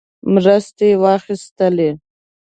مرستې واخیستلې.